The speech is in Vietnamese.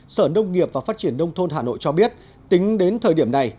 sở nông nghiệp và phát triển đông thôn hà nội cho biết tính đến thời điểm này